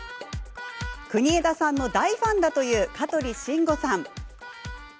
国枝さんの大ファンだという香取慎吾さん。